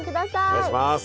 お願いします。